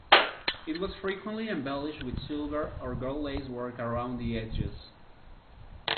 It was frequently embellished with silver or gold lace work around the edges.